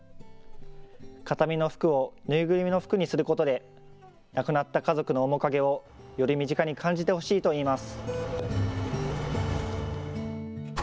形見の服を縫いぐるみの服にすることで亡くなった家族の面影をより身近に感じてほしいといいます。